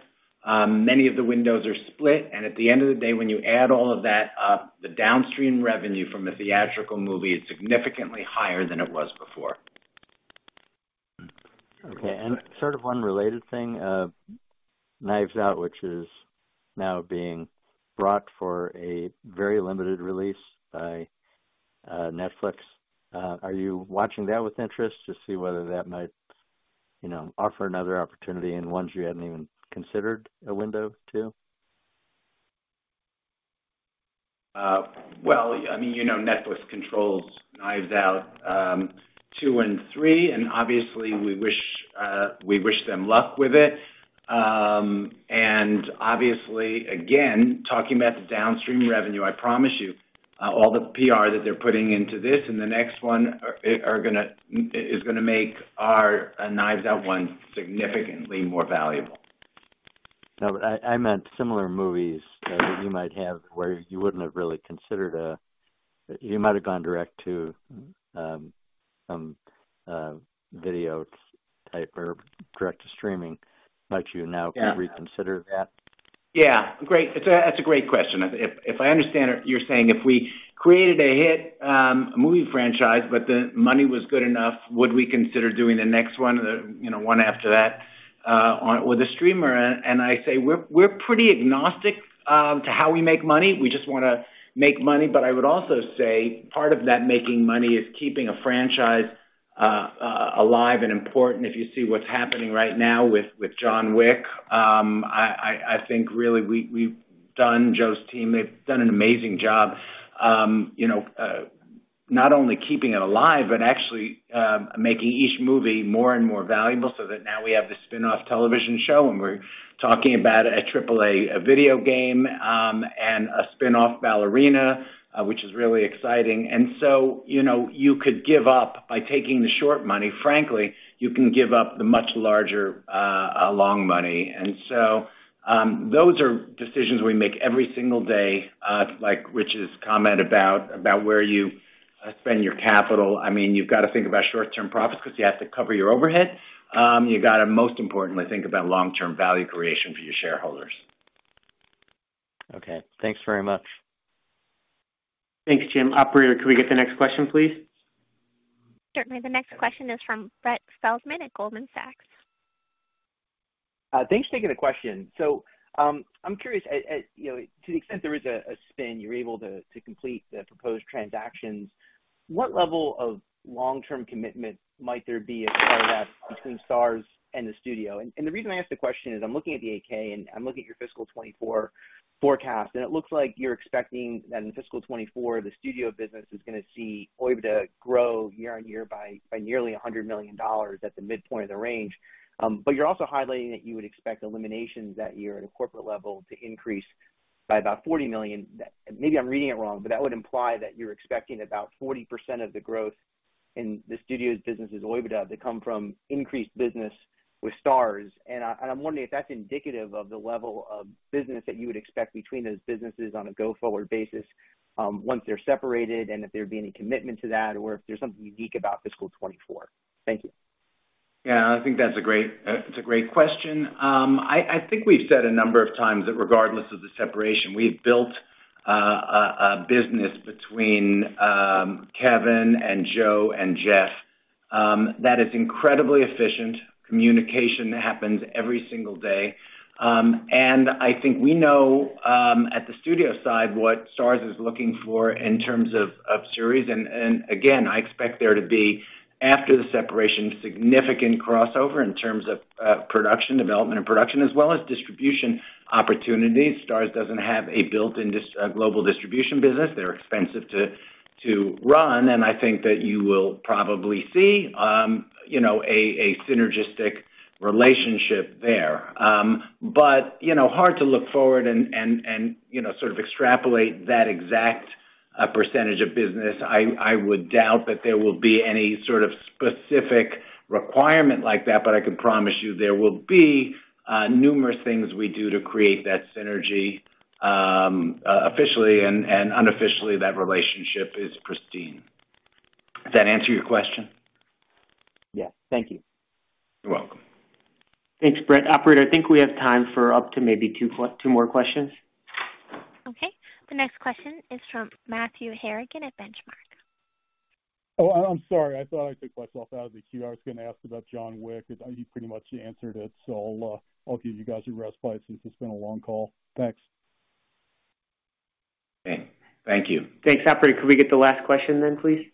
many of the windows are split. At the end of the day, when you add all of that up, the downstream revenue from a theatrical movie is significantly higher than it was before. Okay. Sort of one related thing. Knives Out, which is now being brought for a very limited release by Netflix. Are you watching that with interest to see whether that might, you know, offer another opportunity in ones you hadn't even considered a window to? Well, I mean, you know, Netflix controls Knives Out, two and three, and obviously we wish them luck with it. Obviously, again, talking about the downstream revenue, I promise you, all the PR that they're putting into this and the next one is gonna make our Knives Out one significantly more valuable. No, but I meant similar movies that you might have where you wouldn't have really considered. You might have gone direct to some video type or direct to streaming. Might you now reconsider that? Yeah. Great. That's a great question. If I understand it, you're saying if we created a hit movie franchise, but the money was good enough, would we consider doing the next one or the, you know, one after that with a streamer? I say we're pretty agnostic to how we make money. We just wanna make money. I would also say part of that making money is keeping a franchise alive and important. If you see what's happening right now with John Wick, I think really we've done. Joe's team, they've done an amazing job, you know, not only keeping it alive, but actually, making each movie more and more valuable so that now we have the spinoff television show, and we're talking about a triple A video game, and a spinoff Ballerina, which is really exciting. You know, you could give up by taking the short money. Frankly, you can give up the much larger, long money. Those are decisions we make every single day. Like Rich's comment about where you- Spend your capital. I mean, you've gotta think about short-term profits 'cause you have to cover your overhead. You gotta, most importantly, think about long-term value creation for your shareholders. Okay. Thanks very much. Thanks, Jim. Operator, could we get the next question, please? Certainly. The next question is from Brett Feldman at Goldman Sachs. Thanks for taking the question. I'm curious, you know, to the extent there is a spin you're able to complete the proposed transactions, what level of long-term commitment might there be as part of that between Starz and the studio? The reason I ask the question is I'm looking at the 8-K and I'm looking at your fiscal 2024 forecast, and it looks like you're expecting that in fiscal 2024, the studio business is gonna see OIBDA grow year-on-year by nearly $100 million at the midpoint of the range. You're also highlighting that you would expect eliminations that year at a corporate level to increase by about $40 million. Maybe I'm reading it wrong, but that would imply that you're expecting about 40% of the growth in the studio's business' OIBDA to come from increased business with Starz. I'm wondering if that's indicative of the level of business that you would expect between those businesses on a go-forward basis, once they're separated, and if there'd be any commitment to that, or if there's something unique about fiscal 2024. Thank you. Yeah, I think that's a great question. I think we've said a number of times that regardless of the separation, we've built a business between Kevin and Joe and Jeff that is incredibly efficient. Communication happens every single day. I think we know at the studio side what Starz is looking for in terms of series. Again, I expect there to be, after the separation, significant crossover in terms of production development and production as well as distribution opportunities. Starz doesn't have a built-in global distribution business. They're expensive to run, and I think that you will probably see you know a synergistic relationship there. You know, hard to look forward and you know sort of extrapolate that exact percentage of business. I would doubt that there will be any sort of specific requirement like that, but I can promise you there will be numerous things we do to create that synergy. Officially and unofficially, that relationship is pristine. Does that answer your question? Yeah. Thank you. You're welcome. Thanks, Brett. Operator, I think we have time for up to maybe two more questions. Okay. The next question is from Matthew Harrigan at Benchmark. Oh, I'm sorry. I thought I took myself out of the queue. I was gonna ask about John Wick. You pretty much answered it, so I'll give you guys a respite since it's been a long call. Thanks. Okay. Thank you. Thanks. Operator, could we get the last question then, please?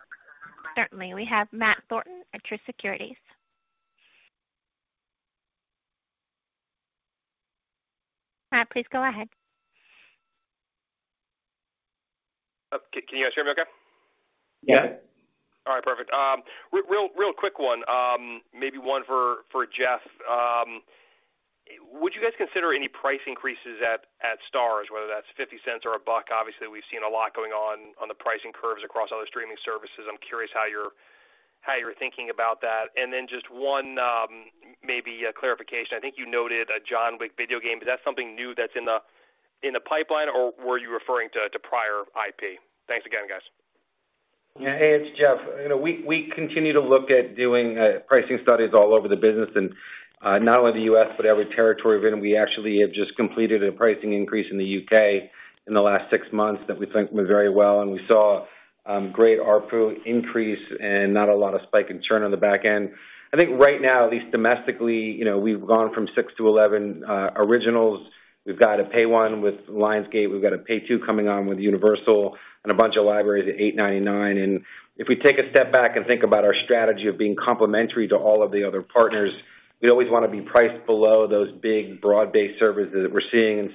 Certainly. We have Matthew Thornton at Truist Securities. Matt, please go ahead. Can you guys hear me okay? Yeah. Yeah. All right, perfect. Real quick one. Maybe one for Jeff. Would you guys consider any price increases at Starz, whether that's $0.50 or $1? Obviously, we've seen a lot going on the pricing curves across other streaming services. I'm curious how you're thinking about that. Just one, maybe, clarification. I think you noted a John Wick video game. Is that something new that's in the pipeline, or were you referring to prior IP? Thanks again, guys. Yeah. Hey, it's Jeff. You know, we continue to look at doing pricing studies all over the business and not only the U.S., but every territory. We actually have just completed a pricing increase in the U.K. in the last six months that we think went very well, and we saw great ARPU increase and not a lot of spike in churn on the back end. I think right now, at least domestically, you know, we've gone from six to 11 originals. We've got a pay one with Lionsgate. We've got a pay two coming on with Universal and a bunch of libraries at $8.99. If we take a step back and think about our strategy of being complementary to all of the other partners, we always wanna be priced below those big, broad-based services that we're seeing.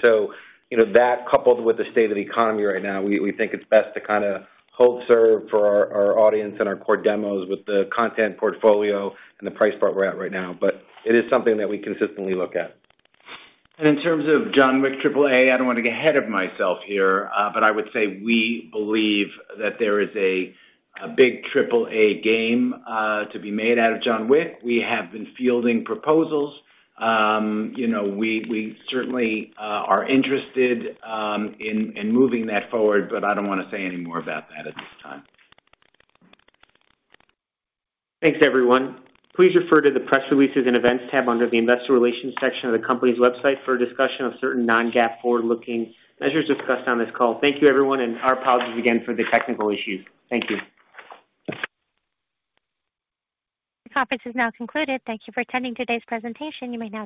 You know, that coupled with the state of the economy right now, we think it's best to kinda hold serve for our audience and our core demos with the content portfolio and the price point we're at right now. It is something that we consistently look at. In terms of John Wick AAA, I don't wanna get ahead of myself here, but I would say we believe that there is a big AAA game to be made out of John Wick. We have been fielding proposals. You know, we certainly are interested in moving that forward, but I don't wanna say any more about that at this time. Thanks, everyone. Please refer to the press releases and events tab under the investor relations section of the company's website for a discussion of certain non-GAAP forward-looking measures discussed on this call. Thank you, everyone, and our apologies again for the technical issues. Thank you. This conference is now concluded. Thank you for attending today's presentation. You may now disconnect.